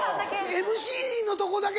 ＭＣのとこだけ？